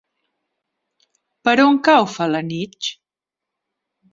Per on cau Felanitx?